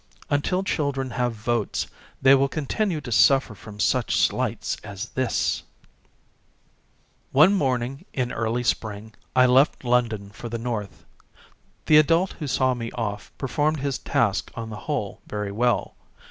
Until children have votes they will continue to suffer from such slights as this ! One morning in early spring I left London for the north. The adult who saw me off performed his task on the whole very well.